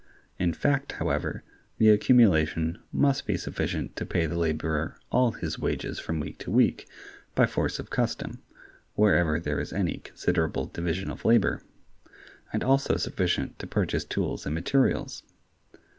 In fact, however, the accumulation must be sufficient to pay the laborer all his wages from week to week, by force of custom (wherever there is any considerable division of labor), and also sufficient to purchase tools and materials.